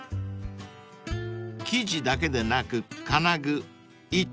［生地だけでなく金具糸